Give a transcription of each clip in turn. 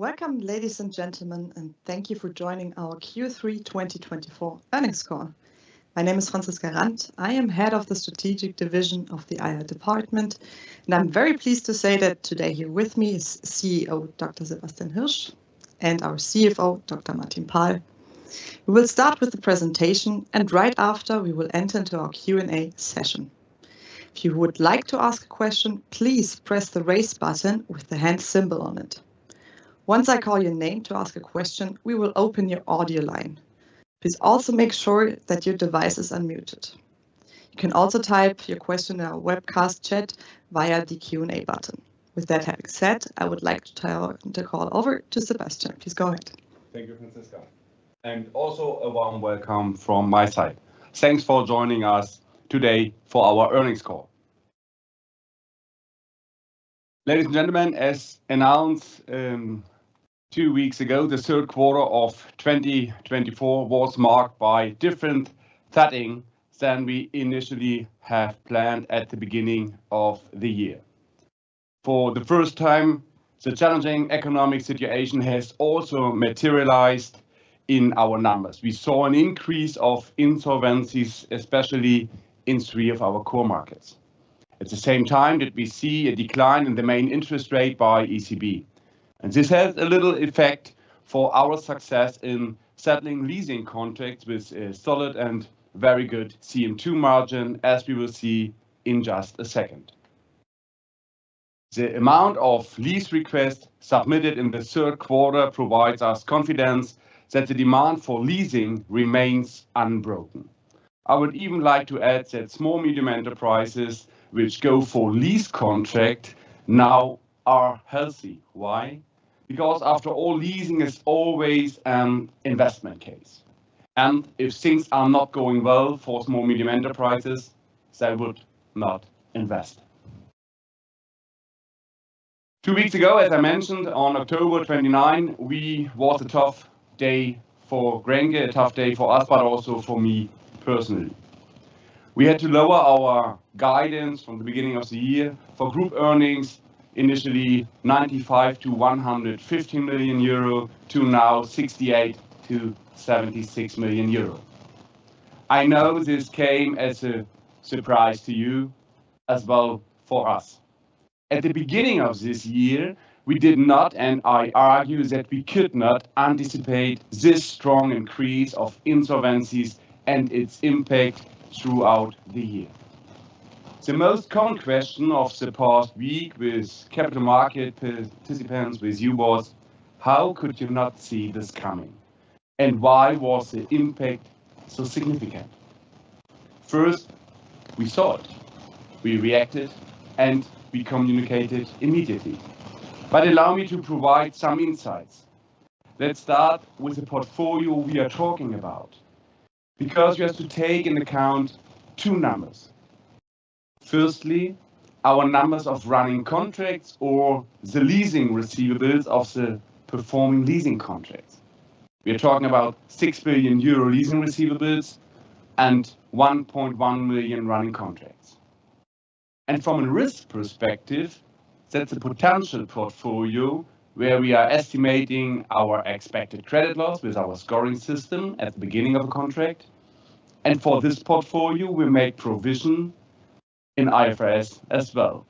Welcome, ladies and gentlemen, and thank you for joining our Q3 2024 earnings call. My name is Franziska Randt. I am head of the Strategic Division of the IR Department, and I'm very pleased to say that today here with me is CEO Dr. Sebastian Hirsch and our CFO Dr. Martin Paal. We will start with the presentation, and right after, we will enter into our Q&A session. If you would like to ask a question, please press the raise button with the hand symbol on it. Once I call your name to ask a question, we will open your audio line. Please also make sure that your device is unmuted. You can also type your question in our webcast chat via the Q&A button. With that having said, I would like to turn the call over to Sebastian. Please go ahead. Thank you, Franziska, and also a warm welcome from my side. Thanks for joining us today for our earnings call. Ladies and gentlemen, as announced two weeks ago, the third quarter of 2024 was marked by a different setting than we initially had planned at the beginning of the year. For the first time, the challenging economic situation has also materialized in our numbers. We saw an increase of insolvencies, especially in three of our core markets. At the same time, we see a decline in the main interest rate by ECB, and this has a little effect on our success in settling leasing contracts with a solid and very good CM2 margin, as we will see in just a second. The amount of lease requests submitted in the third quarter provides us confidence that the demand for leasing remains unbroken. I would even like to add that small-medium enterprises which go for lease contracts now are healthy. Why? Because after all, leasing is always an investment case. And if things are not going well for small-medium enterprises, they would not invest. Two weeks ago, as I mentioned, on October 29, we was a tough day for Grenke, a tough day for us, but also for me personally. We had to lower our guidance from the beginning of the year for group earnings, initially 95 million-115 million euro to now 68 million-76 million euro. I know this came as a surprise to you as well as for us. At the beginning of this year, we did not, and I argue that we could not, anticipate this strong increase of insolvencies and its impact throughout the year. The most common question of the past week with capital market participants, with you, was: How could you not see this coming? And why was the impact so significant? First, we saw it. We reacted, and we communicated immediately, but allow me to provide some insights. Let's start with the portfolio we are talking about, because we have to take into account two numbers. Firstly, our numbers of running contracts or the leasing receivables of the performing leasing contracts. We are talking about 6 billion euro leasing receivables and 1.1 million running contracts. And from a risk perspective, that's a potential portfolio where we are estimating our expected credit loss with our scoring system at the beginning of a contract. And for this portfolio, we make provision in IFRS as well.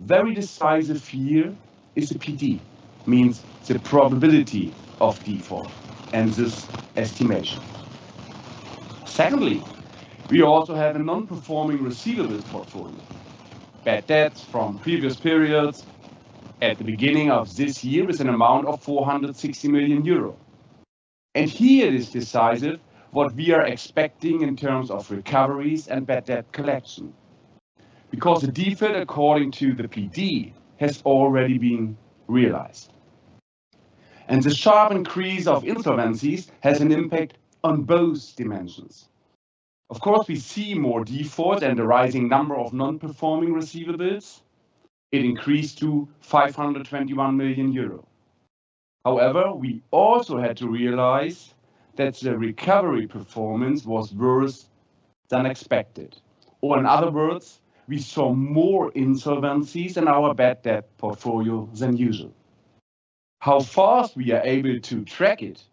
Very decisive here is the PD, meaning the probability of default and this estimation. Secondly, we also have a non-performing receivables portfolio. Bad debts from previous periods at the beginning of this year with an amount of 460 million euro, and here it is decided what we are expecting in terms of recoveries and bad debt collection, because the default, according to the PD, has already been realized, and the sharp increase of insolvencies has an impact on both dimensions. Of course, we see more defaults and a rising number of non-performing receivables. It increased to 521 million euro. However, we also had to realize that the recovery performance was worse than expected, or in other words, we saw more insolvencies in our bad debt portfolio than usual. How fast we are able to track it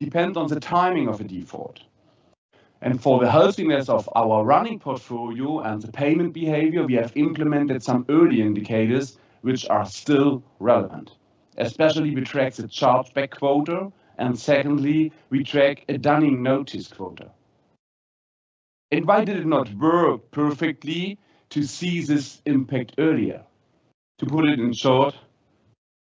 depends on the timing of a default, and for the healthiness of our running portfolio and the payment behavior, we have implemented some early indicators which are still relevant. Especially, we track the chargeback quota, and secondly, we track a dunning-notice quota. And why did it not work perfectly to see this impact earlier? To put it in short,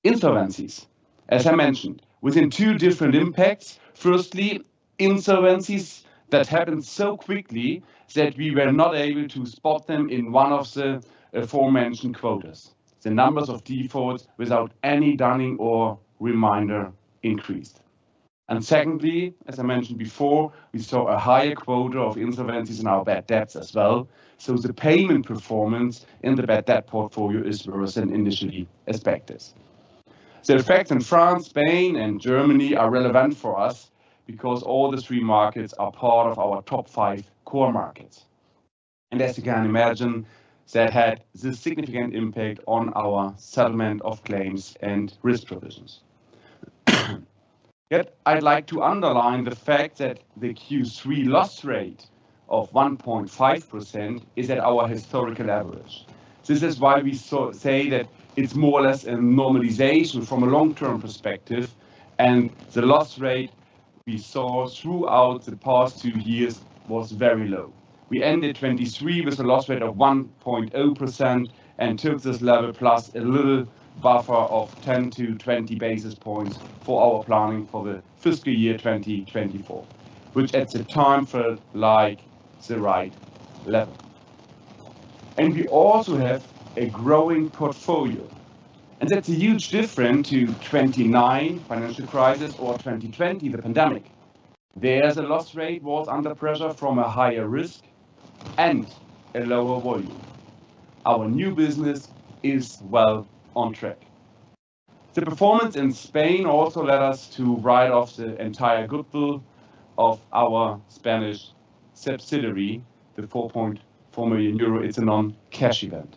insolvencies, as I mentioned, within two different impacts. Firstly, insolvencies that happened so quickly that we were not able to spot them in one of the aforementioned quotas. The numbers of defaults without any dunning or reminder increased. And secondly, as I mentioned before, we saw a higher quota of insolvencies in our bad debts as well. So the payment performance in the bad debt portfolio is worse than initially expected. The effects in France, Spain, and Germany are relevant for us because all the three markets are part of our top five core markets. And as you can imagine, that had a significant impact on our settlement of claims and risk provisions. Yet I'd like to underline the fact that the Q3 loss rate of 1.5% is at our historical average. This is why we say that it's more or less a normalization from a long-term perspective. And the loss rate we saw throughout the past two years was very low. We ended 2023 with a loss rate of 1.0% and took this level plus a little buffer of 10-20 basis points for our planning for the fiscal year 2024, which at the time felt like the right level. And we also have a growing portfolio. And that's a huge difference to the 2009 financial crisis or 2020, the pandemic. There, the loss rate was under pressure from a higher risk and a lower volume. Our new business is well on track. The performance in Spain also led us to write off the entire goodwill of our Spanish subsidiary, the 4.4 million euro. It's a non-cash event.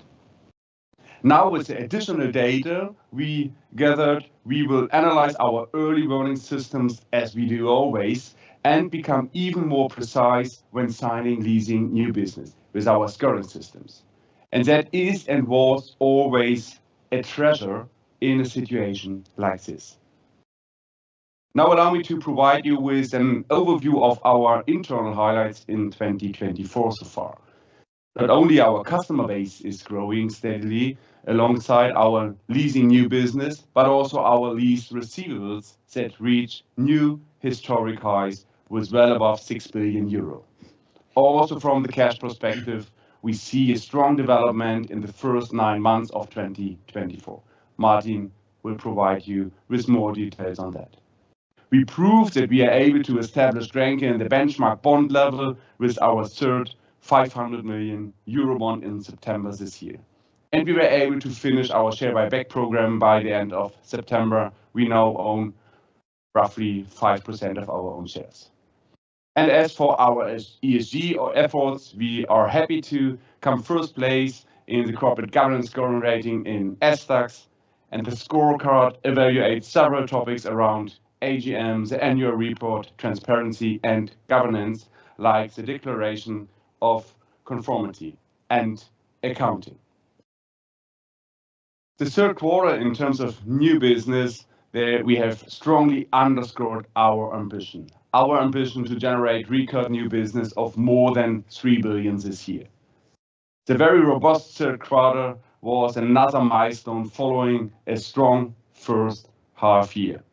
Now, with the additional data we gathered, we will analyze our early warning systems as we do always and become even more precise when signing leasing new business with our current systems. That is and was always a treasure in a situation like this. Now, allow me to provide you with an overview of our internal highlights in 2024 so far. Not only is our customer base growing steadily alongside our leasing new business, but also our lease receivables that reached new historic highs with well above 6 billion euro. Also, from the cash perspective, we see a strong development in the first nine months of 2024. Martin will provide you with more details on that. We proved that we are able to establish Grenke in the benchmark bond level with our third 500 million euro bond in September this year. We were able to finish our share buyback program by the end of September. We now own roughly 5% of our own shares. As for our ESG efforts, we are happy to come first place in the corporate governance scoring rating in SDAX. The scorecard evaluates several topics around AGMs, the annual report, transparency, and governance, like the declaration of conformity and accounting. In the third quarter, in terms of new business, we have strongly underscored our ambition to generate recurrent new business of more than 3 billion this year. The very robust third quarter was another milestone following a strong first half year.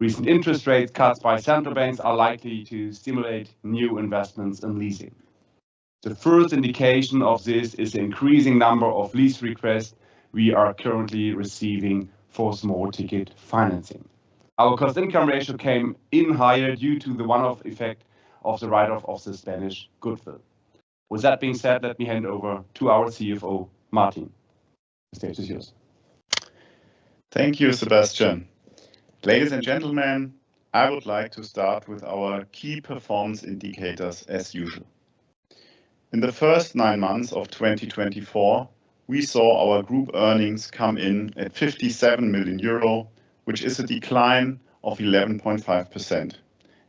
Recent interest rate cuts by central banks are likely to stimulate new investments in leasing. The first indication of this is the increasing number of lease requests we are currently receiving for small-ticket financing. Our cost-income ratio came in higher due to the one-off effect of the write-off of the Spanish goodwill. With that being said, let me hand over to our CFO, Martin. The stage is yours. Thank you, Sebastian. Ladies and gentlemen, I would like to start with our key performance indicators, as usual. In the first nine months of 2024, we saw our group earnings come in at 57 million euro, which is a decline of 11.5%.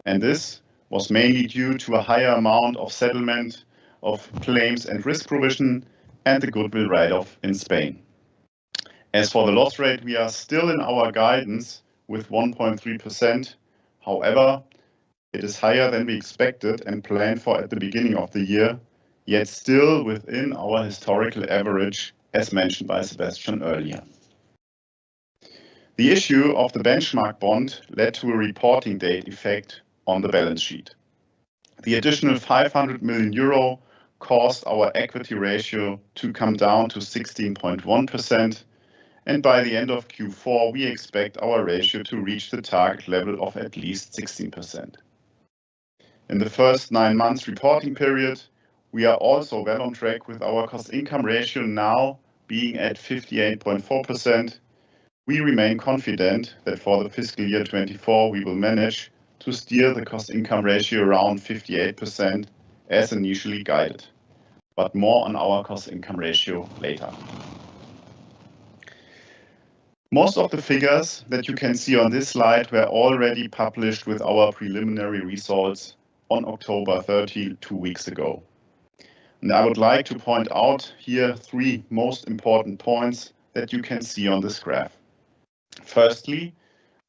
And this was mainly due to a higher amount of settlement of claims and risk provision and the goodwill write-off in Spain. As for the loss rate, we are still in our guidance with 1.3%. However, it is higher than we expected and planned for at the beginning of the year, yet still within our historical average, as mentioned by Sebastian earlier. The issue of the benchmark bond led to a reporting date effect on the balance sheet. The additional 500 million euro caused our equity ratio to come down to 16.1%. By the end of Q4, we expect our ratio to reach the target level of at least 16%. In the first nine months' reporting period, we are also well on track with our cost-income ratio now being at 58.4%. We remain confident that for the fiscal year 2024, we will manage to steer the cost-income ratio around 58%, as initially guided. But more on our cost-income ratio later. Most of the figures that you can see on this slide were already published with our preliminary results on October 30, two weeks ago. I would like to point out here three most important points that you can see on this graph. Firstly,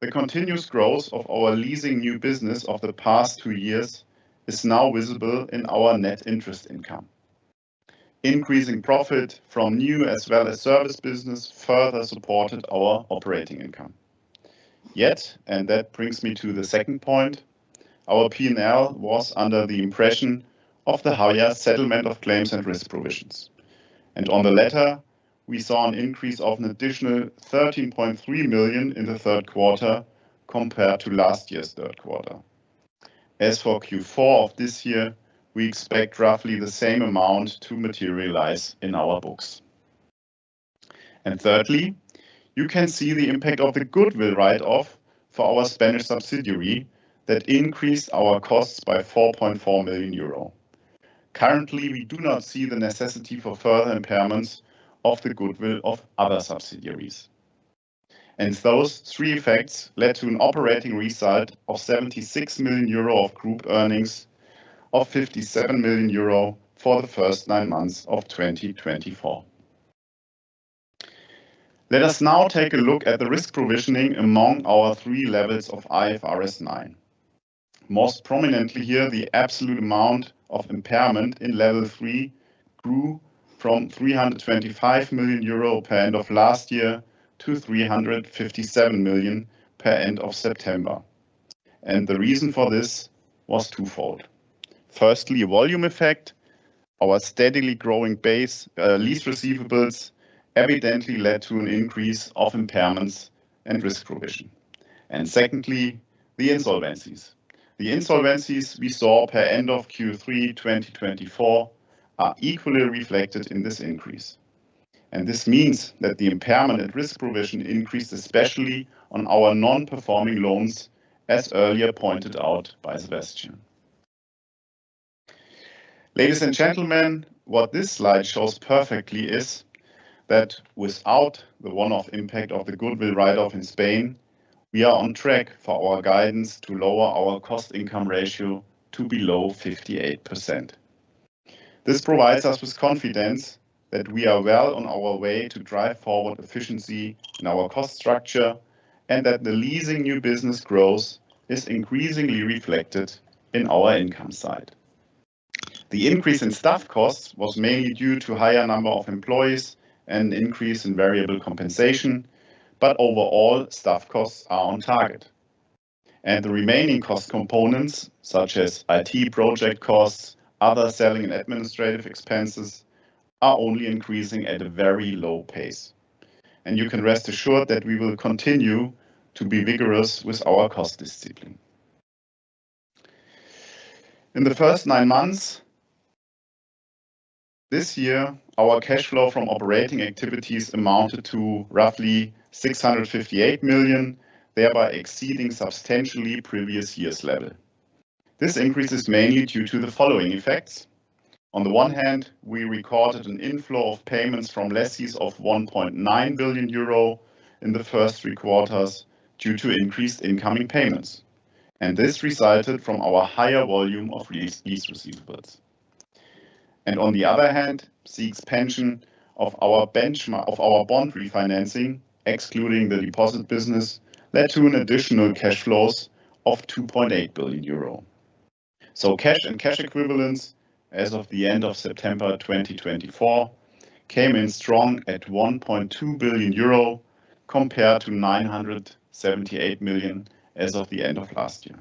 the continuous growth of our leasing new business of the past two years is now visible in our net interest income. Increasing profit from new as well as service business further supported our operating income. Yet, and that brings me to the second point, our P&L was under the impression of the higher settlement of claims and risk provisions. And on the latter, we saw an increase of an additional 13.3 million in the third quarter compared to last year's third quarter. As for Q4 of this year, we expect roughly the same amount to materialize in our books. And thirdly, you can see the impact of the goodwill write-off for our Spanish subsidiary that increased our costs by 4.4 million euro. Currently, we do not see the necessity for further impairments of the goodwill of other subsidiaries. And those three effects led to an operating result of 76 million euro of group earnings of 57 million euro for the first nine months of 2024. Let us now take a look at the risk provisioning among our three levels of IFRS 9. Most prominently here, the absolute amount of impairment in Level 3 grew from 325 million euro per end of last year to 357 million per end of September. And the reason for this was twofold. Firstly, volume effect. Our steadily growing base lease receivables evidently led to an increase of impairments and risk provision. And secondly, the insolvencies. The insolvencies we saw per end of Q3 2024 are equally reflected in this increase. And this means that the impairment and risk provision increased especially on our non-performing loans, as earlier pointed out by Sebastian. Ladies and gentlemen, what this slide shows perfectly is that without the one-off impact of the goodwill write-off in Spain, we are on track for our guidance to lower our cost-income ratio to below 58%. This provides us with confidence that we are well on our way to drive forward efficiency in our cost structure and that the leasing new business growth is increasingly reflected in our income side. The increase in staff costs was mainly due to a higher number of employees and an increase in variable compensation, but overall, staff costs are on target, and the remaining cost components, such as IT project costs, other selling and administrative expenses, are only increasing at a very low pace, and you can rest assured that we will continue to be vigorous with our cost discipline. In the first nine months this year, our cash flow from operating activities amounted to roughly 658 million, thereby exceeding substantially previous year's level. This increase is mainly due to the following effects. On the one hand, we recorded an inflow of payments from lessees of 1.9 billion euro in the first three quarters due to increased incoming payments. And this resulted from our higher volume of lease receivables. And on the other hand, significant portion of our bond refinancing, excluding the deposit business, led to an additional cash flows of 2.8 billion euro. So cash and cash equivalents as of the end of September 2024 came in strong at 1.2 billion euro compared to 978 million as of the end of last year.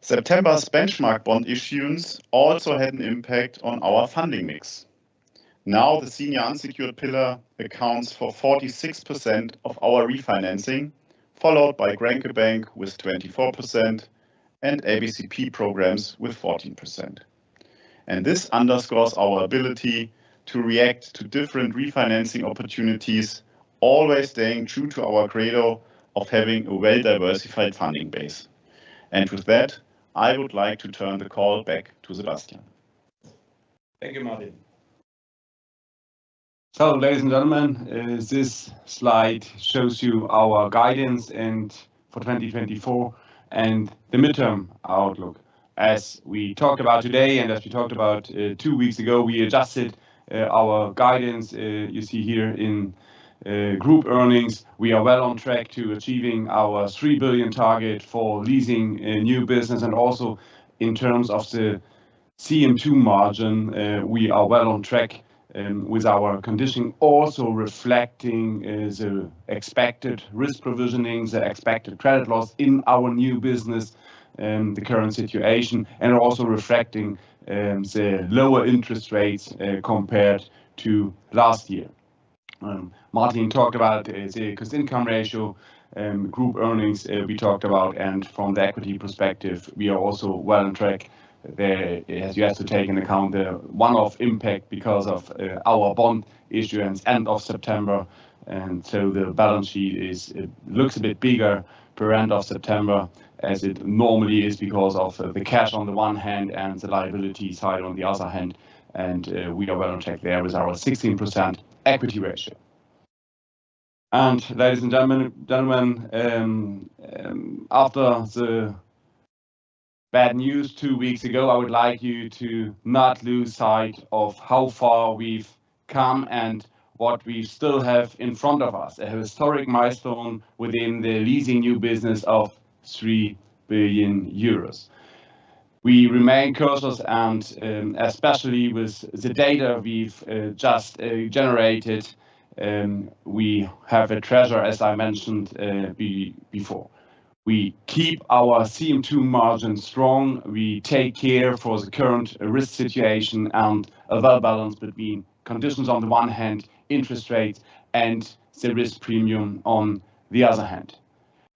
September's benchmark bond issuance also had an impact on our funding mix. Now, the senior unsecured pillar accounts for 46% of our refinancing, followed by Grenke Bank with 24% and ABCP programs with 14%. And this underscores our ability to react to different refinancing opportunities, always staying true to our credo of having a well-diversified funding base. With that, I would like to turn the call back to Sebastian. Thank you, Martin. Ladies and gentlemen, this slide shows you our guidance for 2024 and the midterm outlook. As we talked about today and as we talked about two weeks ago, we adjusted our guidance. You see here in group earnings, we are well on track to achieving our 3 billion target for leasing new business. And also, in terms of the CM2 margin, we are well on track with our condition, also reflecting the expected risk provisioning, the expected credit loss in our new business, the current situation, and also reflecting the lower interest rates compared to last year. Martin talked about the cost-income ratio, group earnings we talked about, and from the equity perspective, we are also well on track. As you have to take into account the one-off impact because of our bond issuance end of September. And so the balance sheet looks a bit bigger per end of September as it normally is because of the cash on the one hand and the liability side on the other hand. And we are well on track there with our 16% equity ratio. And ladies and gentlemen, after the bad news two weeks ago, I would like you to not lose sight of how far we've come and what we still have in front of us, a historic milestone within the leasing new business of 3 billion euros. We remain cautious, and especially with the data we've just generated, we have a treasure, as I mentioned before. We keep our CM2 margin strong. We take care for the current risk situation and a well-balanced between conditions on the one hand, interest rates, and the risk premium on the other hand.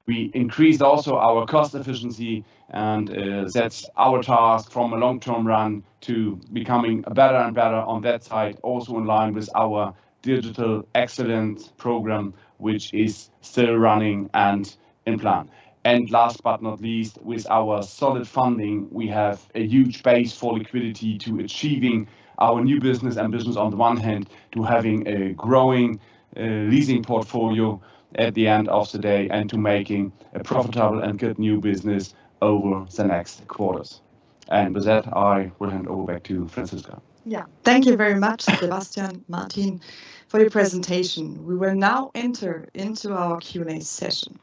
We increased also our cost efficiency and that's our task from a long-term run to becoming better and better on that side, also in line with our Digital Excellence program, which is still running and in plan. And last but not least, with our solid funding, we have a huge base for liquidity to achieving our new business and business on the one hand, to having a growing leasing portfolio at the end of the day and to making a profitable and good new business over the next quarters. And with that, I will hand over back to Franziska. Yeah, thank you very much, Sebastian, Martin, for your presentation. We will now enter into our Q&A session.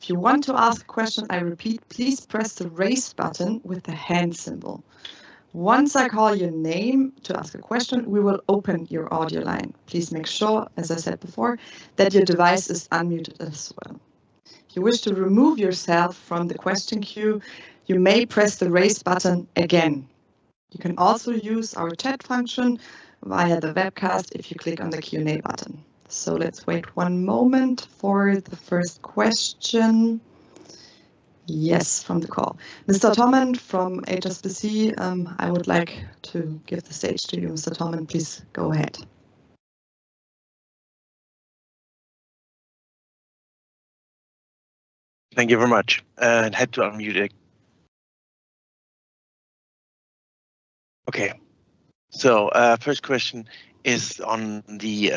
If you want to ask a question, I repeat, please press the raise button with the hand symbol. Once I call your name to ask a question, we will open your audio line. Please make sure, as I said before, that your device is unmuted as well. If you wish to remove yourself from the question queue, you may press the raise button again. You can also use our chat function via the webcast if you click on the Q&A button. So let's wait one moment for the first question. Yes, from the call. Mr. Thormann from HSBC, I would like to give the stage to you. Mr. Thormann, please go ahead. Thank you very much. I had to unmute. Okay. So first question is on the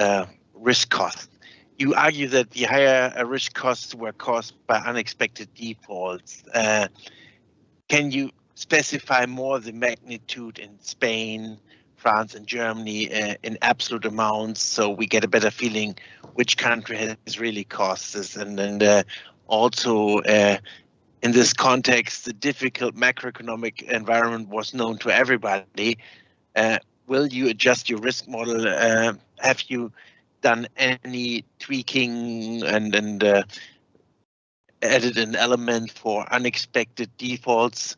risk cost. You argue that the higher risk costs were caused by unexpected defaults. Can you specify more the magnitude in Spain, France, and Germany in absolute amounts so we get a better feeling which country has really caused this? And then also in this context, the difficult macroeconomic environment was known to everybody. Will you adjust your risk model? Have you done any tweaking and added an element for unexpected defaults,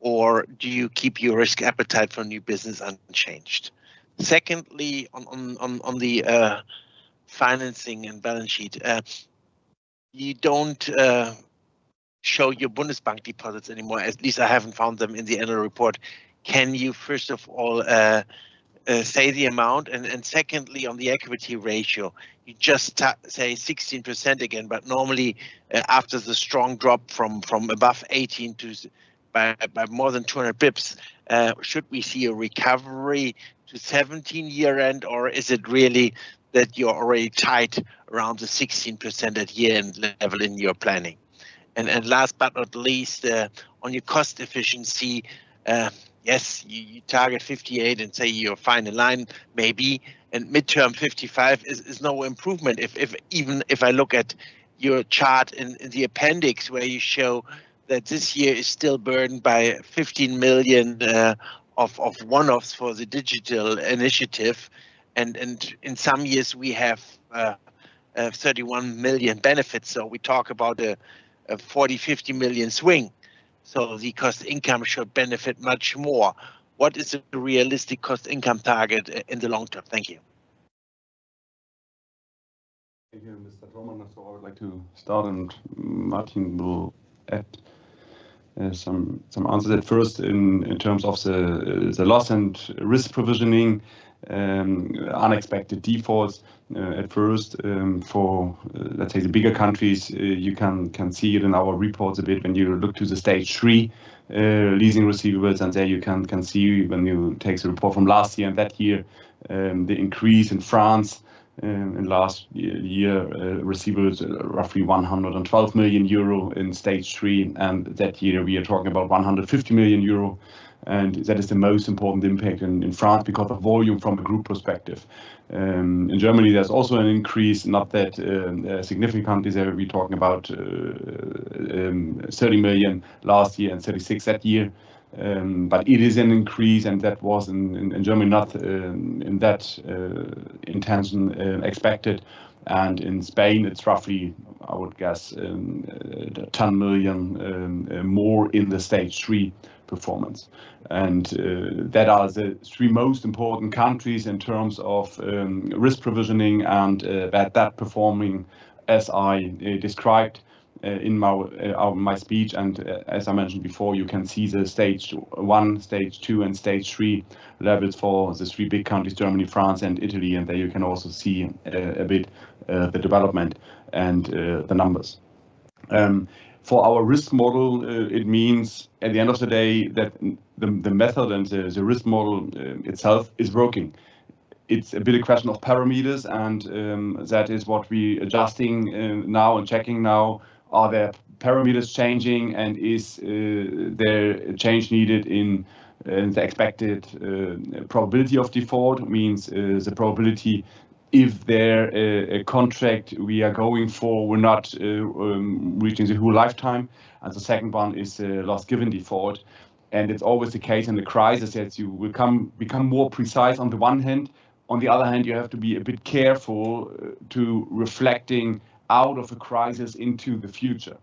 or do you keep your risk appetite for new business unchanged? Secondly, on the financing and balance sheet, you don't show your Bundesbank deposits anymore. At least I haven't found them in the annual report. Can you first of all say the amount? Secondly, on the equity ratio, you just say 16% again, but normally after the strong drop from above 18% by more than 200 basis points, should we see a recovery to 17% year-end, or is it really that you're already tight around the 16% at year-end level in your planning? Last but not least, on your cost efficiency, yes, you target 58% and say you're fine in line, maybe. Midterm 55% is no improvement. Even if I look at your chart in the appendix where you show that this year is still burdened by 15 million of one-offs for the digital initiative. In some years, we have 31 million benefits. So we talk about a 40 million-50 million swing. So the cost income should benefit much more. What is the realistic cost income target in the long term? Thank you. Thank you, Mr. Thormann. So I would like to start, and Martin will add some answers at first in terms of the loss and risk provisioning, unexpected defaults at first for, let's say, the bigger countries. You can see it in our reports a bit when you look to the Stage 3 leasing receivables. And there you can see when you take the report from last year and that year, the increase in France in last year, receivables roughly 112 million euro in Stage 3. And that year, we are talking about 150 million euro. And that is the most important impact in France because of volume from a group perspective. In Germany, there's also an increase, not that significant. We're talking about 30 million last year and 36 million that year. But it is an increase, and that was in Germany not in that intention expected. And in Spain, it's roughly, I would guess, 10 million more in the stage three performance. And those are the three most important countries in terms of risk provisioning and that performing as I described in my speech. And as I mentioned before, you can see the Stage 1, Stage 2, and Stage 3 levels for the three big countries, Germany, France, and Italy. And there you can also see a bit the development and the numbers. For our risk model, it means at the end of the day that the method and the risk model itself is working. It's a bit a question of parameters, and that is what we are adjusting now and checking now. Are there parameters changing, and is there a change needed in the expected probability of default? Means the probability if there is a contract we are going for, we're not reaching the whole lifetime. And the second one is loss-given default. And it's always the case in the crisis that you will become more precise on the one hand. On the other hand, you have to be a bit careful to reflect out of a crisis into the future.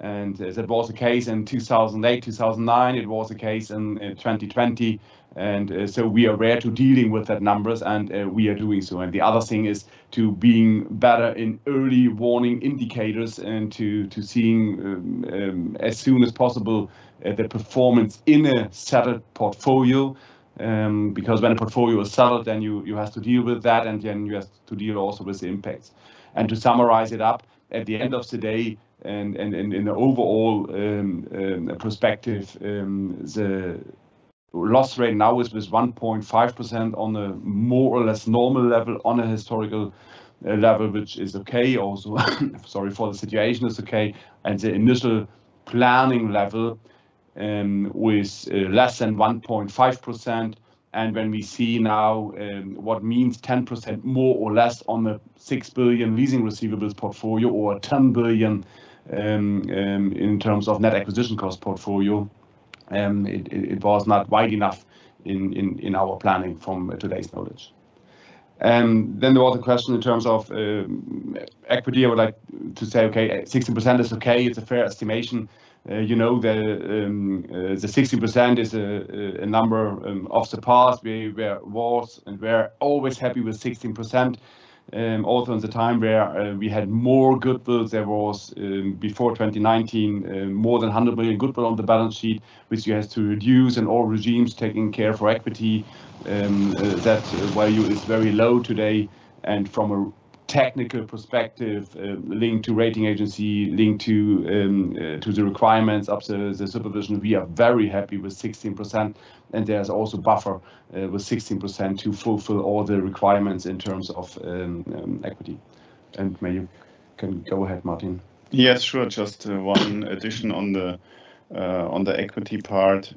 And that was the case in 2008, 2009. It was the case in 2020. And so we are rare to deal with that numbers, and we are doing so. And the other thing is to being better in early warning indicators and to seeing as soon as possible the performance in a settled portfolio. Because when a portfolio is settled, then you have to deal with that, and then you have to deal also with the impacts. And to summarize it up, at the end of the day, in the overall perspective, the loss rate now is with 1.5% on a more or less normal level on a historical level, which is okay also. Sorry for the situation. It's okay. And the initial planning level was less than 1.5%. And when we see now what means 10% more or less on the 6 billion leasing receivables portfolio or 10 billion in terms of net acquisition cost portfolio, it was not wide enough in our planning from today's knowledge. And then there was a question in terms of equity. I would like to say, okay, 60% is okay. It's a fair estimation. You know the 60% is a number of the past. We were always happy with 16%. Also, in the time where we had more goodwill, there was, before 2019, more than 100 million goodwill on the balance sheet, which you have to reduce, and all regimes taking care for equity. That value is very low today, and from a technical perspective, linked to rating agency, linked to the requirements of the supervision, we are very happy with 16%. There's also buffer with 16% to fulfill all the requirements in terms of equity, and maybe you can go ahead, Martin. Yes, sure. Just one addition on the equity part.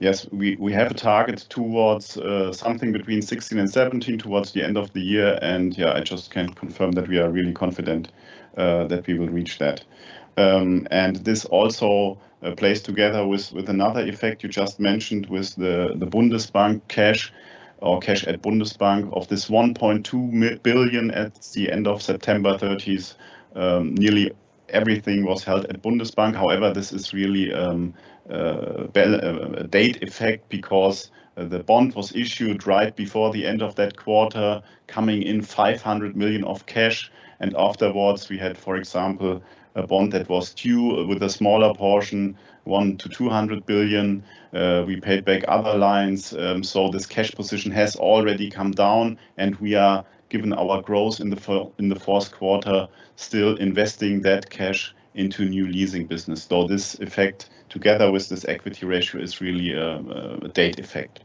Yes, we have a target towards something between 16 and 17 towards the end of the year. And yeah, I just can confirm that we are really confident that we will reach that. And this also plays together with another effect you just mentioned with the Bundesbank cash or cash at Bundesbank of 1.2 billion at the end of September 30th. Nearly everything was held at Bundesbank. However, this is really a date effect because the bond was issued right before the end of that quarter, coming in 500 million of cash. And afterwards, we had, for example, a bond that was due with a smaller portion, 100 billion-200 billion. We paid back other lines. So this cash position has already come down, and we are given our growth in the fourth quarter, still investing that cash into new leasing business. So this effect together with this equity ratio is really a date effect.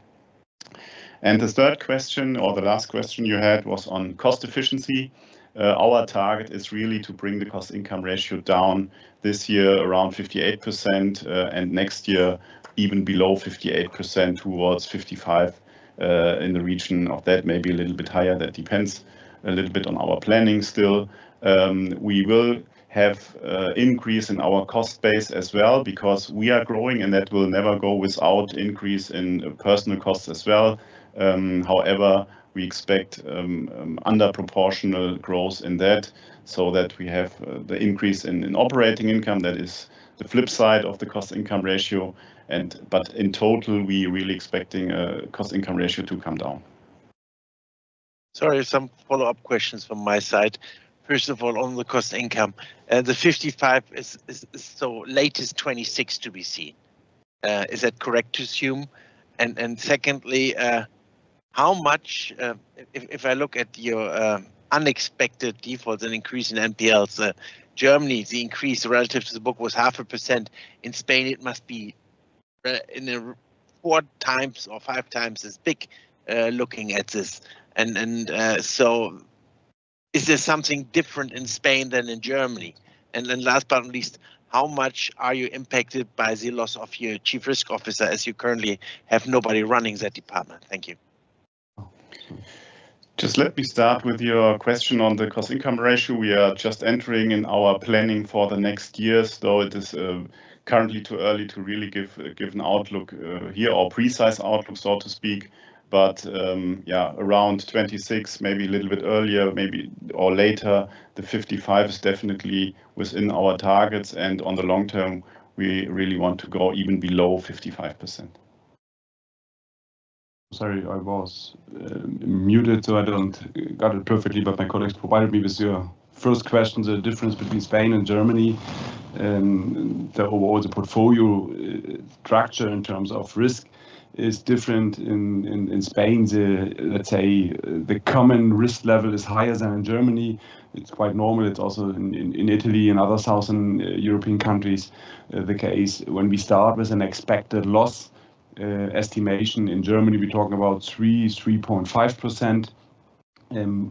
And the third question or the last question you had was on cost efficiency. Our target is really to bring the cost income ratio down this year around 58% and next year even below 58% towards 55% in the region of that, maybe a little bit higher. That depends a little bit on our planning still. We will have an increase in our cost base as well because we are growing, and that will never go without increase in personnel costs as well. However, we expect underproportional growth in that so that we have the increase in operating income. That is the flip side of the cost income ratio. In total, we are really expecting a cost-income ratio to come down. Sorry, some follow-up questions from my side. First of all, on the cost income, the 55% is so low as 26% to be seen. Is that correct to assume? And secondly, how much, if I look at your unexpected defaults and increase in NPLs, Germany, the increase relative to the book was 0.5%. In Spain, it must be 4x or 5x as big looking at this. And so is there something different in Spain than in Germany? And then last but not least, how much are you impacted by the loss of your Chief Risk Officer as you currently have nobody running that department? Thank you. Just let me start with your question on the Cost-Income Ratio. We are just entering in our planning for the next year, so it is currently too early to really give an outlook here or precise outlook, so to speak. But yeah, around 26%, maybe a little bit earlier, maybe or later, the 55% is definitely within our targets. On the long term, we really want to go even below 55%. Sorry, I was muted, so I don't got it perfectly, but my colleagues provided me with your first question, the difference between Spain and Germany. The overall portfolio structure in terms of risk is different. In Spain, let's say the common risk level is higher than in Germany. It's quite normal. It's also in Italy and other Southern European countries the case. When we start with an expected loss estimation in Germany, we're talking about 3%, 3.5%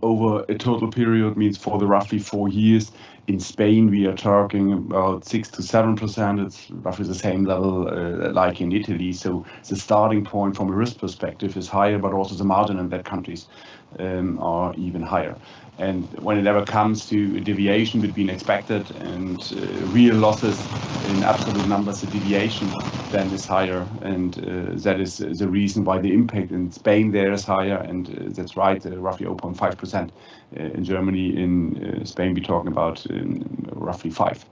over a total period means for roughly four years. In Spain, we are talking about 6%-7%. It's roughly the same level like in Italy. So the starting point from a risk perspective is higher, but also the margin in that countries are even higher. And when it ever comes to a deviation between expected and real losses in absolute numbers, the deviation then is higher. That is the reason why the impact in Spain there is higher. That's right, roughly 0.5% in Germany. In Spain, we're talking about roughly 5%.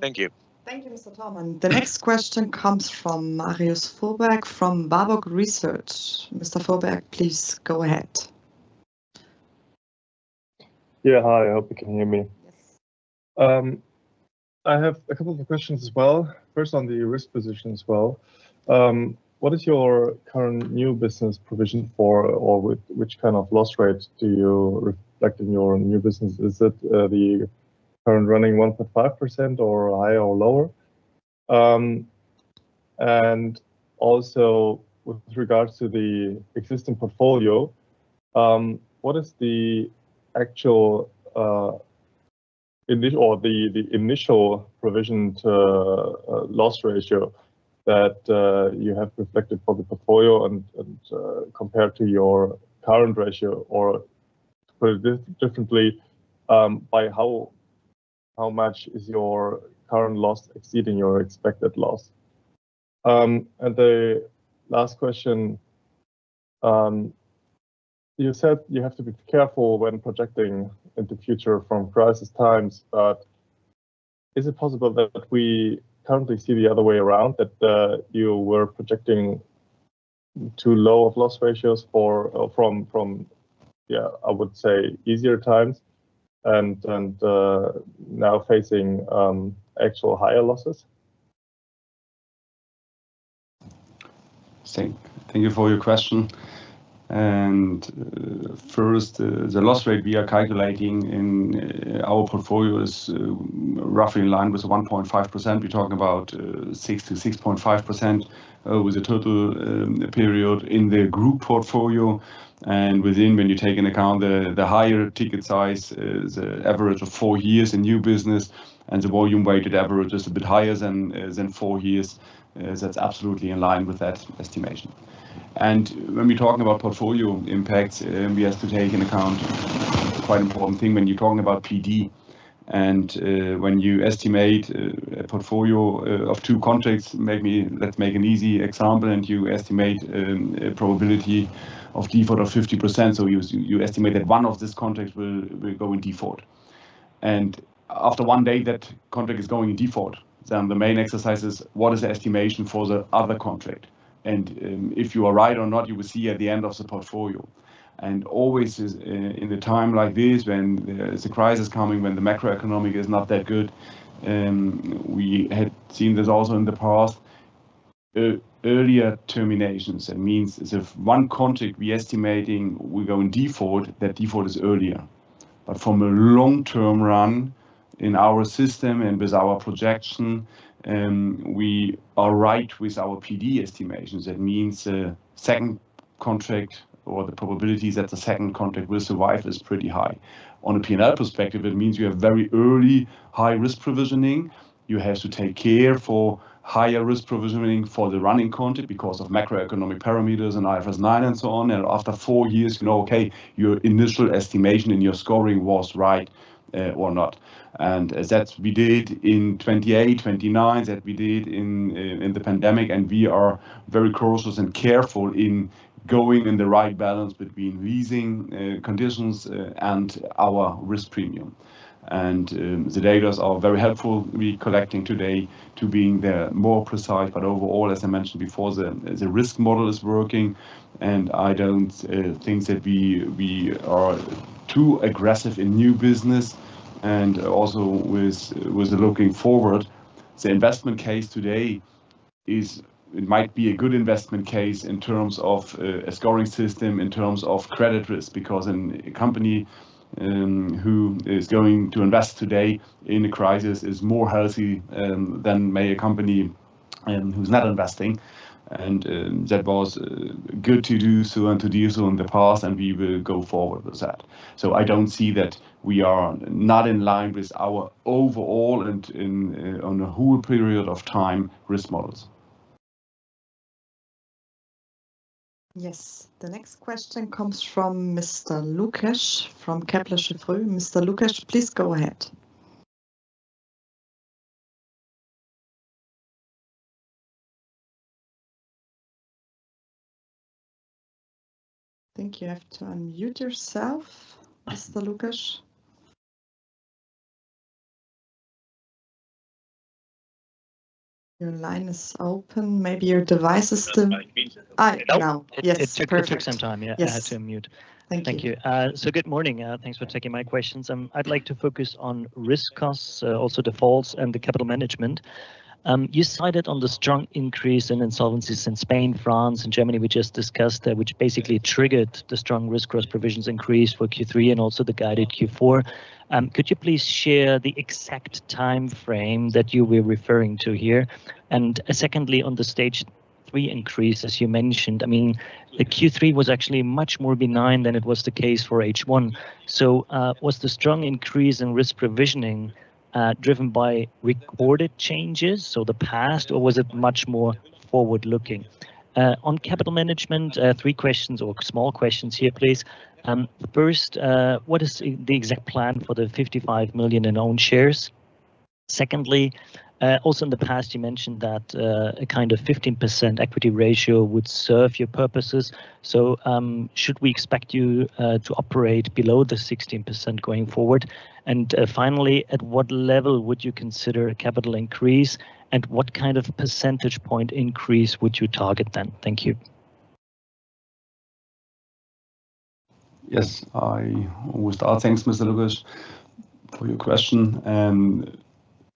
Thank you. Thank you, Mr. Thormann. The next question comes from Marius Fuhrberg from Warburg Research. Mr. Fuhrberg, please go ahead. Yeah, hi. I hope you can hear me. I have a couple of questions as well. First, on the risk position as well. What is your current new business provision for, or which kind of loss rate do you reflect in your new business? Is it the current running 1.5% or higher or lower? And also with regards to the existing portfolio, what is the actual or the initial provision to loss ratio that you have reflected for the portfolio and compared to your current ratio? Or put it differently, by how much is your current loss exceeding your expected loss? And the last question, you said you have to be careful when projecting into the future from crisis times. But is it possible that we currently see the other way around, that you were projecting too low of loss ratios from, yeah, I would say easier times and now facing actual higher losses? Thank you for your question. And first, the loss rate we are calculating in our portfolio is roughly in line with 1.5%. We're talking about 6%-6.5% with a total period in the group portfolio. And within, when you take into account the higher ticket size, the average of four years in new business and the volume-weighted average is a bit higher than four years, that's absolutely in line with that estimation. And when we're talking about portfolio impacts, we have to take into account quite an important thing when you're talking about PD. And when you estimate a portfolio of two contracts, let's make an easy example, and you estimate a probability of default of 50%. So you estimate that one of these contracts will go in default. After one day that contract is going in default, then the main exercise is, what is the estimation for the other contract? If you are right or not, you will see at the end of the portfolio. Always in a time like this, when the crisis is coming, when the macroeconomic is not that good, we had seen this also in the past, earlier terminations. That means if one contract we're estimating will go in default, that default is earlier. But from a long-term run in our system and with our projection, we are right with our PD estimations. That means the second contract or the probability that the second contract will survive is pretty high. On a P&L perspective, it means you have very early high risk provisioning. You have to take care for higher risk provisioning for the running contract because of macroeconomic parameters and IFRS 9 and so on. And after four years, you know, okay, your initial estimation in your scoring was right or not. And that we did in 2008, 2009, that we did in the pandemic. And we are very cautious and careful in going in the right balance between leasing conditions and our risk premium. And the data are very helpful we're collecting today to being more precise. But overall, as I mentioned before, the risk model is working. And I don't think that we are too aggressive in new business. And also with looking forward, the investment case today might be a good investment case in terms of a scoring system, in terms of credit risk. Because a company who is going to invest today in a crisis is more healthy than maybe a company who's not investing, and that was good to do so and to do so in the past, and we will go forward with that, so I don't see that we are not in line with our overall and on a whole period of time risk models. Yes. The next question comes from Mr. Lukash from Kepler Cheuvreux. Mr. Lukash, please go ahead. I think you have to unmute yourself, Mr. Lukash. Your line is open. Maybe your device is still. Now. Yes. Perfect. It took some time. Yeah, I had to unmute. Thank you. Thank you. So good morning. Thanks for taking my questions. I'd like to focus on risk costs, also defaults and the capital management. You cited on the strong increase in insolvencies in Spain, France, and Germany we just discussed, which basically triggered the strong risk growth provisions increase for Q3 and also the guided Q4. Could you please share the exact timeframe that you were referring to here? And secondly, on the Stage 3 increase, as you mentioned, I mean, the Q3 was actually much more benign than it was the case for H1. So was the strong increase in risk provisioning driven by recorded changes, so the past, or was it much more forward-looking? On capital management, three questions or small questions here, please. First, what is the exact plan for the 55 million in own shares? Secondly, also in the past, you mentioned that a kind of 15% equity ratio would serve your purposes. So should we expect you to operate below the 16% going forward? And finally, at what level would you consider capital increase? And what kind of percentage point increase would you target then? Thank you. Yes. I will start. Thanks, Mr. Lukash, for your question, and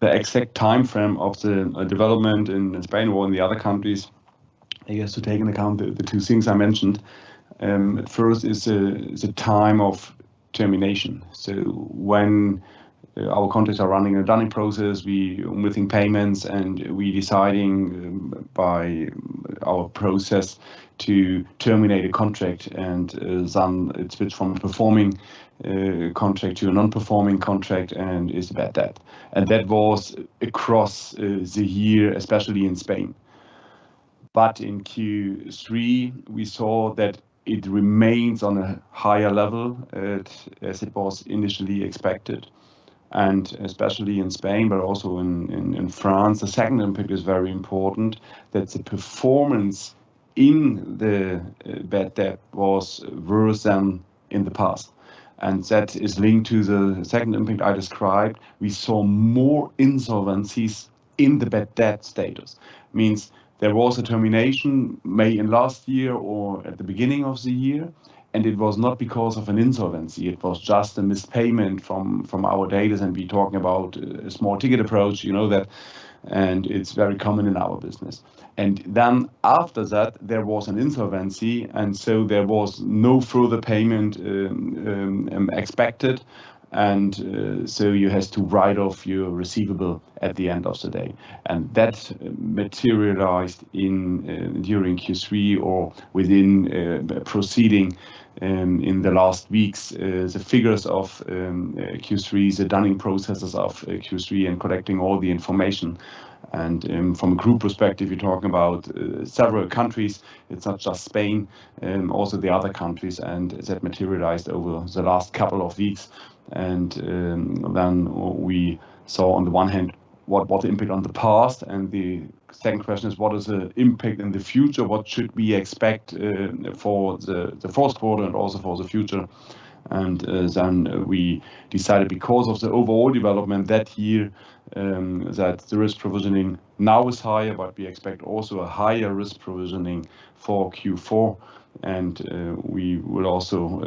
the exact timeframe of the development in Spain or in the other countries, I guess, to take into account the two things I mentioned. First is the time of termination. So when our contracts are running in a running process, we're within payments and we're deciding by our process to terminate a contract and then it switched from a performing contract to a non-performing contract and is about that. And that was across the year, especially in Spain, but in Q3, we saw that it remains on a higher level as it was initially expected, and especially in Spain, but also in France, the second impact is very important. That's a performance in the bad debt was worse than in the past. And that is linked to the second impact I described. We saw more insolvencies in the bad debt status. Means there was a termination maybe in last year or at the beginning of the year, and it was not because of an insolvency. It was just a mispayment from our data. And we're talking about a small ticket approach, you know that, and it's very common in our business. And then after that, there was an insolvency, and so there was no further payment expected. And so you have to write off your receivable at the end of the day. And that materialized during Q3 or within the preceding in the last weeks, the figures of Q3, the dunning processes of Q3 and collecting all the information. And from a group perspective, you're talking about several countries. It's not just Spain, also the other countries. And that materialized over the last couple of weeks. Then we saw on the one hand what was the impact on the past. The second question is, what is the impact in the future? What should we expect for the fourth quarter and also for the future? Then we decided because of the overall development that year, that the risk provisioning now is higher, but we expect also a higher risk provisioning for Q4. We will also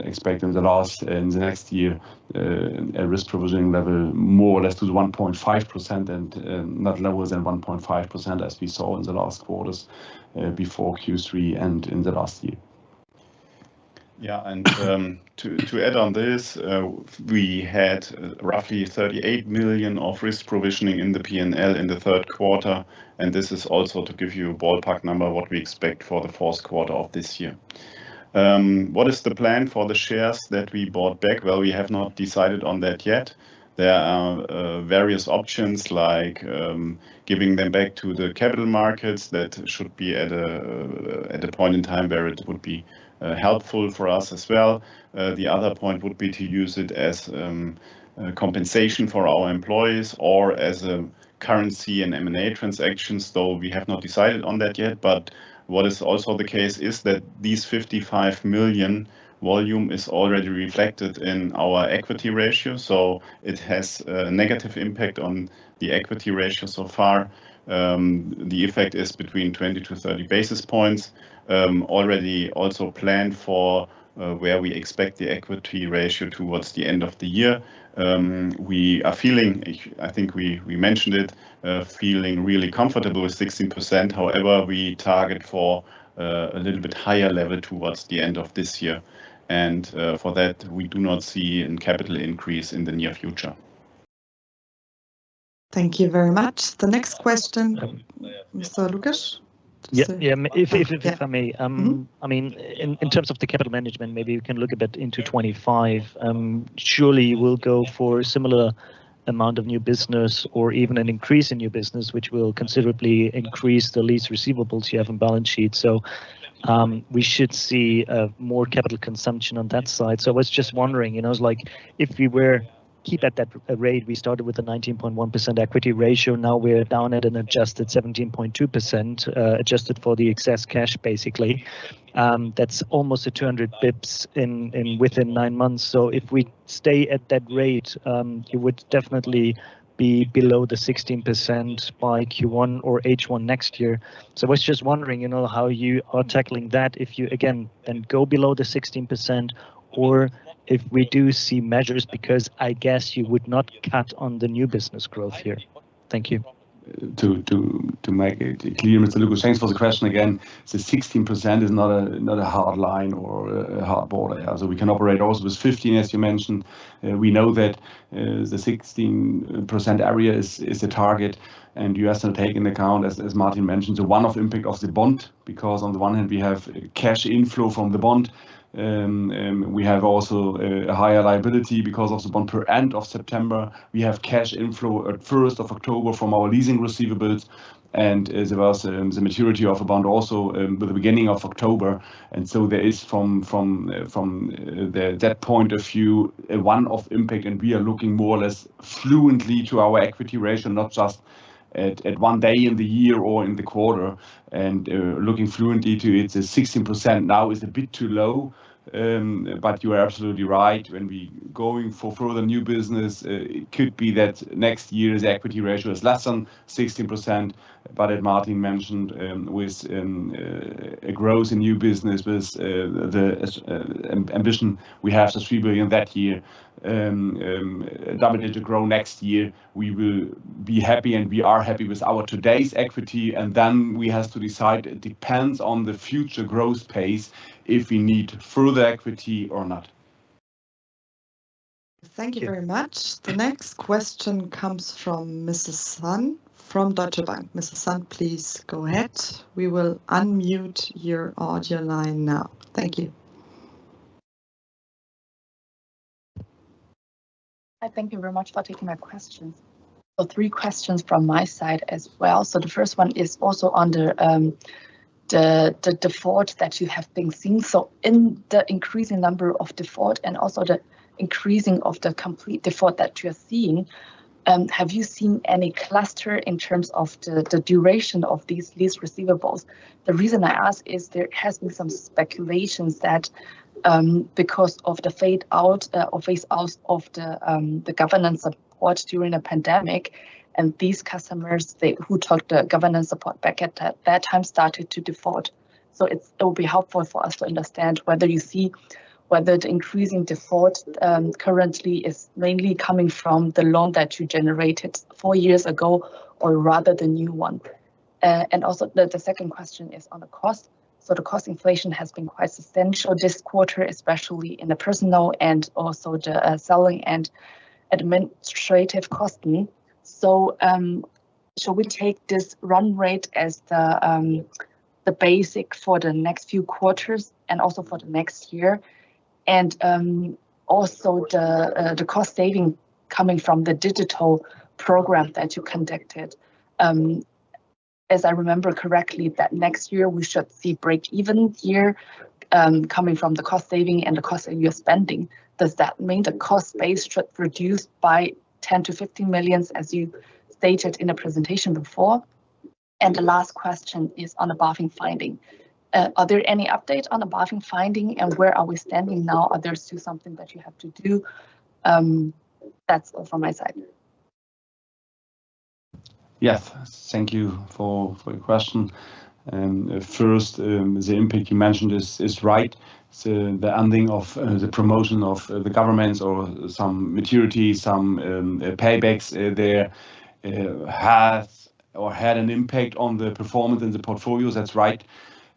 expect in the last, in the next year, a risk provisioning level more or less to 1.5% and not lower than 1.5% as we saw in the last quarters before Q3 and in the last year. Yeah. To add on this, we had roughly 38 million of risk provisioning in the P&L in the third quarter. This is also to give you a ballpark number of what we expect for the fourth quarter of this year. What is the plan for the shares that we bought back? Well, we have not decided on that yet. There are various options like giving them back to the capital markets. That should be at a point in time where it would be helpful for us as well. The other point would be to use it as compensation for our employees or as a currency and M&A transactions. Though we have not decided on that yet. But what is also the case is that these 55 million volume is already reflected in our equity ratio. So it has a negative impact on the equity ratio so far. The effect is between 20 to 30 basis points. Already also planned for where we expect the equity ratio towards the end of the year. We are feeling, I think we mentioned it, feeling really comfortable with 16%. However, we target for a little bit higher level towards the end of this year, and for that, we do not see a capital increase in the near future. Thank you very much. The next question, Mr. Lukash. Yeah. If I may, I mean, in terms of the capital management, maybe we can look a bit into 2025. Surely we'll go for a similar amount of new business or even an increase in new business, which will considerably increase the lease receivables you have on balance sheet. So we should see more capital consumption on that side. So I was just wondering, it's like if we were to keep at that rate, we started with a 19.1% equity ratio. Now we're down at an adjusted 17.2%, adjusted for the excess cash, basically. That's almost 200 bps within nine months. So if we stay at that rate, it would definitely be below the 16% by Q1 or H1 next year. So I was just wondering how you are tackling that if you, again, then go below the 16% or if we do see measures because I guess you would not cut on the new business growth here? Thank you. To make it clear, Mr. Lukash, thanks for the question again. The 16% is not a hard line or a hard border. So we can operate also with 15, as you mentioned. We know that the 16% area is the target. And you have to take into account, as Martin mentioned, the one-off impact of the bond because on the one hand, we have cash inflow from the bond. We have also a higher liability because of the bond per end of September. We have cash inflow at 1st of October from our leasing receivables. And there was the maturity of a bond also with the beginning of October. And so there is, from that point of view, a one-off impact. And we are looking more or less fluently to our equity ratio, not just at one day in the year or in the quarter. And looking at its 16% now is a bit too low. But you are absolutely right. When we're going for further new business, it could be that next year's equity ratio is less than 16%. But as Martin mentioned, with a growth in new business, with the ambition we have to achieve in that year, double-digit growth next year, we will be happy. And we are happy with our today's equity. And then we have to decide. It depends on the future growth pace if we need further equity or not. Thank you very much. The next question comes from Mrs. Sun from Deutsche Bank. Mrs. Sun, please go ahead. We will unmute your audio line now. Thank you. Thank you very much for taking my question. So three questions from my side as well. So the first one is also on the default that you have been seeing. So in the increasing number of default and also the increasing of the complete default that you're seeing, have you seen any cluster in terms of the duration of these lease receivables? The reason I ask is there has been some speculations that because of the fade out or phase out of the government support during a pandemic, and these customers who took the government support back at that time started to default. So it will be helpful for us to understand whether you see whether the increasing default currently is mainly coming from the loan that you generated four years ago or rather the new one. And also the second question is on the cost. So the cost inflation has been quite substantial this quarter, especially in the personnel and also the selling and administrative costs. So shall we take this run rate as the basis for the next few quarters and also for the next year? And also the cost savings coming from the digital program that you conducted. As I remember correctly, that next year we should see break-even year coming from the cost savings and the cost that you're spending. Does that mean the cost base should reduce by 10 million- 15 million as you stated in the presentation before? And the last question is on the BaFin finding. Are there any updates on the BaFin finding and where are we standing now? Are there still something that you have to do? That's all from my side. Yes. Thank you for your question. First, the impact you mentioned is right. The ending of the promotion of the governance or some maturity, some paybacks there has or had an impact on the performance in the portfolios. That's right.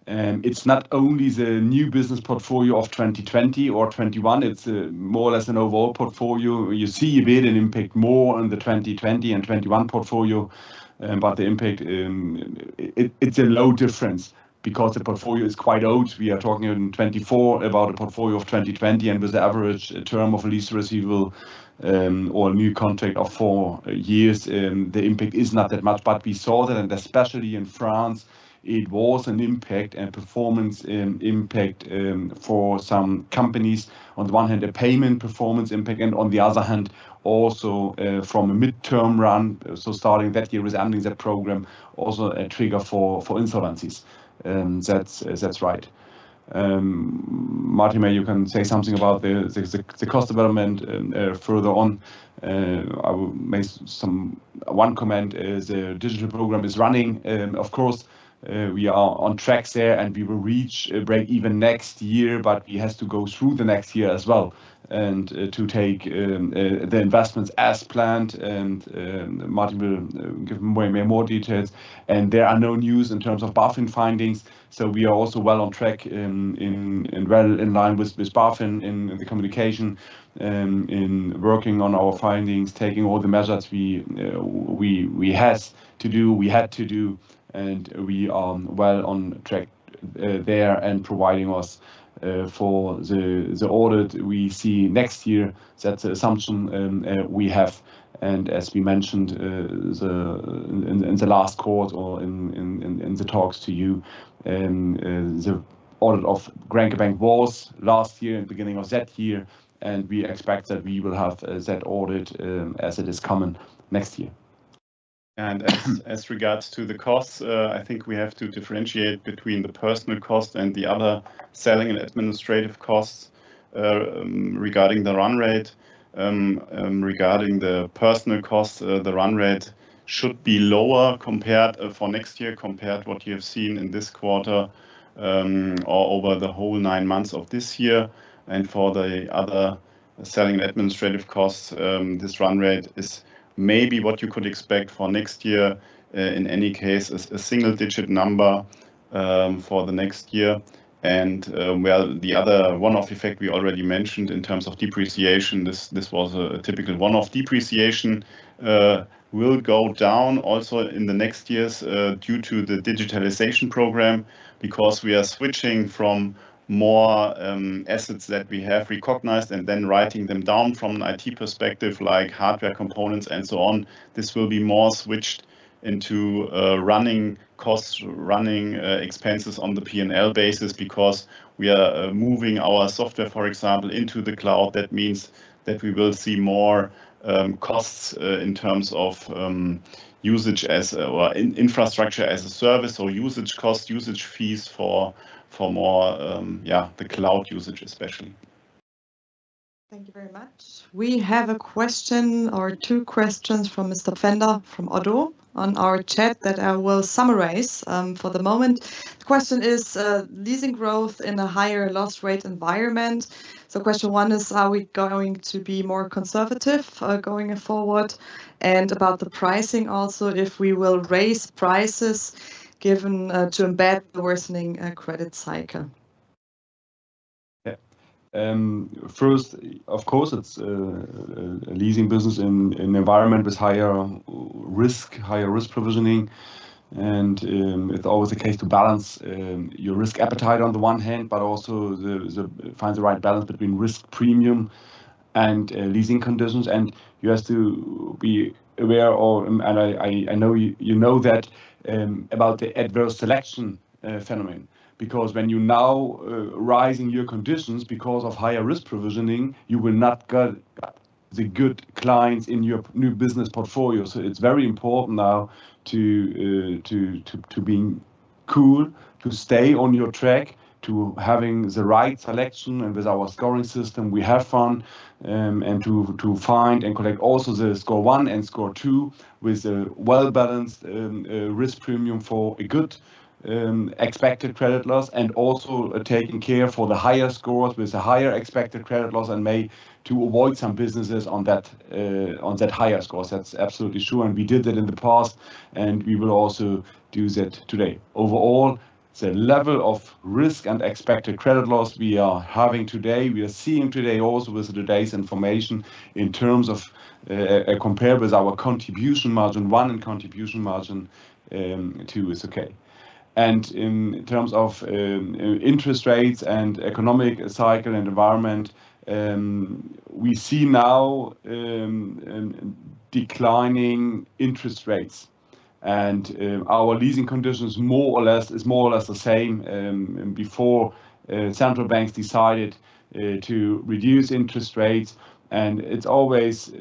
It's not only the new business portfolio of 2020 or 2021. It's more or less an overall portfolio. You see a bit of impact more on the 2020 and 2021 portfolio. But the impact, it's a low difference because the portfolio is quite old. We are talking in 2024 about a portfolio of 2020. And with the average term of lease receivable or new contract of four years, the impact is not that much. But we saw that, and especially in France, it was an impact and performance impact for some companies. On the one hand, the payment performance impact, and on the other hand, also from a midterm run. So, starting that year with ending that program, also a trigger for insolvencies. That's right. Martin, maybe you can say something about the cost development further on? I will make one comment. The digital program is running. Of course, we are on track there, and we will reach break-even next year. But we have to go through the next year as well and to take the investments as planned. And Martin will give way more details. And there are no news in terms of BaFin findings. So we are also well on track and well in line with BaFin in the communication, in working on our findings, taking all the measures we have to do, we had to do. And we are well on track there and preparing us for the audit we see next year. That's the assumption we have. As we mentioned in the last quarter or in the talks to you, the audit of Grenke Bank was last year in the beginning of that year. And we expect that we will have that audit as it is coming next year. And as regards to the costs, I think we have to differentiate between the personal cost and the other selling and administrative costs regarding the run rate. Regarding the personal costs, the run rate should be lower for next year compared to what you have seen in this quarter or over the whole nine months of this year. And for the other selling and administrative costs, this run rate is maybe what you could expect for next year. In any case, a single-digit number for the next year. The other one-off effect we already mentioned in terms of depreciation. This was a typical one-off depreciation. It will go down also in the next years due to the digitalization program because we are switching from more assets that we have recognized and then writing them down from an IT perspective, like hardware components and so on. This will be more switched into running costs, running expenses on the P&L basis because we are moving our software, for example, into the cloud. That means that we will see more costs in terms of usage or infrastructure as a service. So usage costs, usage fees for more, yeah, the cloud usage especially. Thank you very much. We have a question or two questions from Mr. Pfänder from Oddo BHF on our chat that I will summarize for the moment. The question is leasing growth in a higher loss rate environment. So question one is, are we going to be more conservative going forward? And about the pricing also, if we will raise prices given to embed the worsening credit cycle. Yeah. First, of course, it's a leasing business in an environment with higher risk, higher risk provisioning. And it's always the case to balance your risk appetite on the one hand, but also find the right balance between risk premium and leasing conditions. And you have to be aware of, and I know you know that about the adverse selection phenomenon because when you now rise in your conditions because of higher risk provisioning, you will not get the good clients in your new business portfolio. So it's very important now to be cool, to stay on your track, to have the right selection. And with our scoring system, we have fun. And to find and collect also the score one and score two with a well-balanced risk premium for a good expected credit loss and also taking care for the higher scores with a higher expected credit loss and may to avoid some businesses on that higher score. That's absolutely true. And we did that in the past, and we will also do that today. Overall, the level of risk and expected credit loss we are having today, we are seeing today also with today's information in terms of compared with our contribution margin one and contribution margin two is okay. And in terms of interest rates and economic cycle and environment, we see now declining interest rates. And our leasing conditions is more or less the same before central banks decided to reduce interest rates. It's always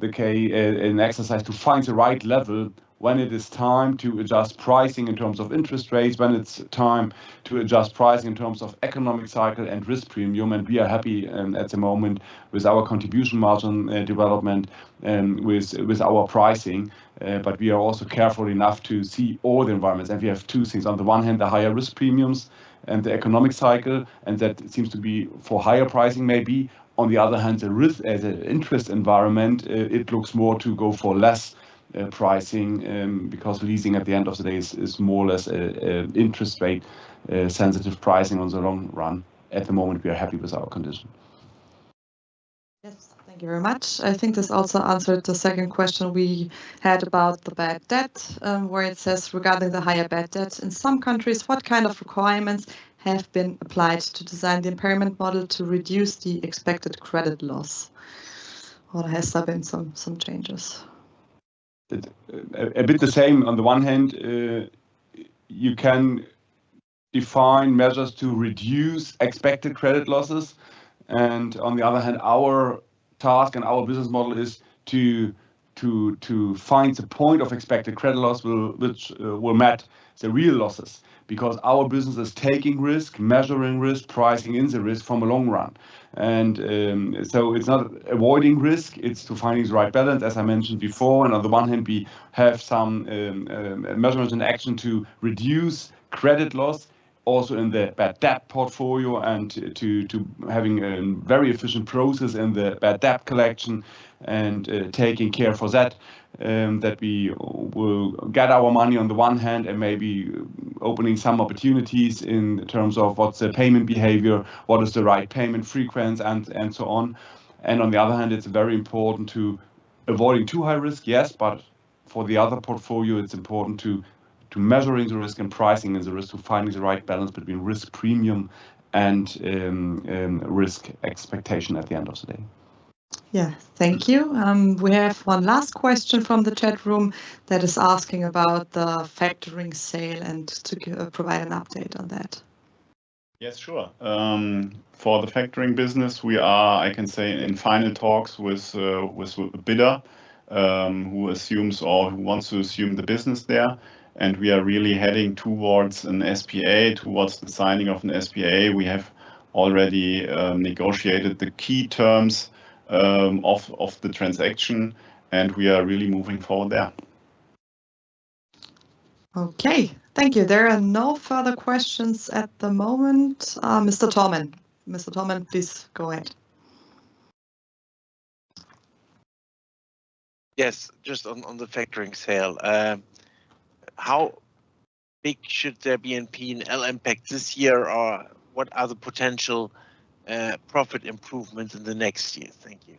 the case in exercise to find the right level when it is time to adjust pricing in terms of interest rates, when it's time to adjust pricing in terms of economic cycle and risk premium. And we are happy at the moment with our contribution margin development with our pricing. But we are also careful enough to see all the environments. And we have two things. On the one hand, the higher risk premiums and the economic cycle. And that seems to be for higher pricing maybe. On the other hand, the interest environment, it looks more to go for less pricing because leasing at the end of the day is more or less an interest rate-sensitive pricing on the long run. At the moment, we are happy with our condition. Yes. Thank you very much. I think this also answered the second question we had about the bad debt where it says regarding the higher bad debt in some countries, what kind of requirements have been applied to design the impairment model to reduce the expected credit loss? Or has there been some changes? A bit the same. On the one hand, you can define measures to reduce expected credit losses. And on the other hand, our task and our business model is to find the point of expected credit loss which will match the real losses because our business is taking risk, measuring risk, pricing in the risk from a long run. And so it's not avoiding risk. It's to finding the right balance, as I mentioned before. And on the one hand, we have some measures and action to reduce credit loss also in the bad debt portfolio and to having a very efficient process in the bad debt collection and taking care for that, that we will get our money on the one hand and maybe opening some opportunities in terms of what's the payment behavior, what is the right payment frequency, and so on. And on the other hand, it's very important to avoid too high risk, yes. But for the other portfolio, it's important to measuring the risk and pricing and the risk of finding the right balance between risk premium and risk expectation at the end of the day. Yeah. Thank you. We have one last question from the chat room that is asking about the factoring sale and to provide an update on that. Yes, sure. For the factoring business, we are, I can say, in final talks with a bidder who assumes or who wants to assume the business there. And we are really heading towards an SPA, towards the signing of an SPA. We have already negotiated the key terms of the transaction, and we are really moving forward there. Okay. Thank you. There are no further questions at the moment. Mr. Thormann, Mr. Thormann, please go ahead. Yes. Just on the factoring sale, how big should there be in P&L impact this year? Or what are the potential profit improvements in the next year? Thank you.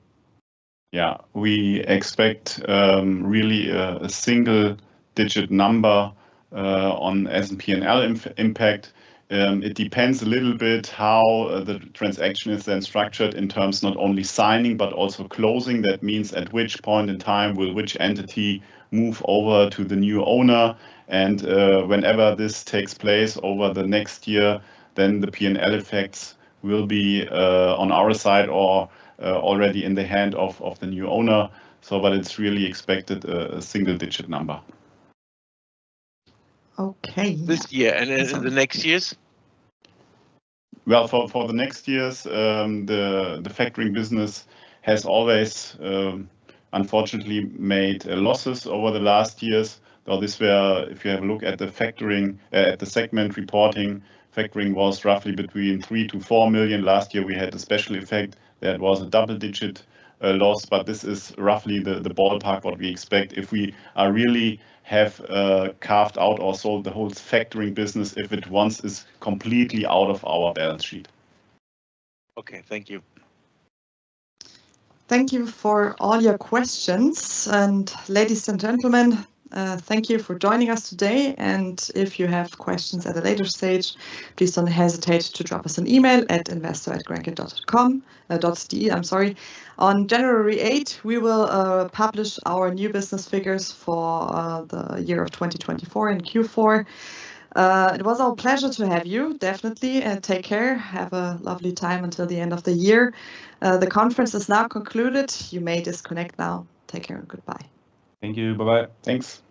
Yeah. We expect really a single-digit number on P&L impact. It depends a little bit how the transaction is then structured in terms not only signing, but also closing. That means at which point in time will which entity move over to the new owner, and whenever this takes place over the next year, then the P&L effects will be on our side or already in the hand of the new owner, but it's really expected a single-digit number. Okay. This year and in the next years? For the next years, the factoring business has always, unfortunately, made losses over the last years. If you have a look at the factoring, at the segment reporting, factoring was roughly between 3 million-4 million. Last year, we had a special effect that was a double-digit loss. But this is roughly the ballpark what we expect if we really have carved out or sold the whole factoring business if it once is completely out of our balance sheet. Okay. Thank you. Thank you for all your questions. And ladies and gentlemen, thank you for joining us today. And if you have questions at a later stage, please don't hesitate to drop us an email at investor@grenke.de. I'm sorry. On January 8, we will publish our new business figures for the year of 2024 in Q4. It was our pleasure to have you, definitely. Take care. Have a lovely time until the end of the year. The conference is now concluded. You may disconnect now. Take care and goodbye. Thank you. Bye-bye. Thanks.